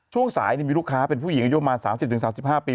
ช่วงสายมีลูกค้าเป็นผู้หญิงอายุประมาณ๓๐๓๕ปี